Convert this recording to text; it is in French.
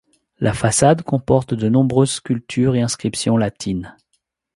La façade comporte de nombreuses sculptures et inscriptions latines.